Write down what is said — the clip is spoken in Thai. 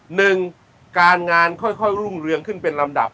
หนึ่งการงานค่อยรุ่งเรืองขึ้นเป็นลำดับ